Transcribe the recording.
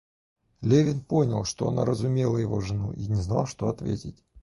Левин понял, что она разумела его жену, и не знал, что ответить.